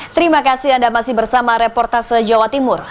terima kasih anda masih bersama reportase jawa timur